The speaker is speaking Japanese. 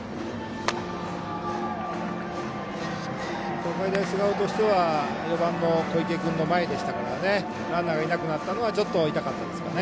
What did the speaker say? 東海大菅生としては４番の小池君の前でしたからランナーがいなくなったのはちょっと、痛かったですかね。